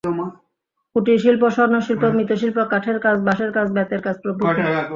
কুটিরশিল্প স্বর্ণশিল্প, মৃৎশিল্প, কাঠের কাজ, বাঁশের কাজ, বেতের কাজ প্রভৃতি।